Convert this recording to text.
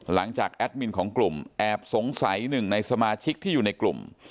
แอดมินของกลุ่มแอบสงสัยหนึ่งในสมาชิกที่อยู่ในกลุ่ม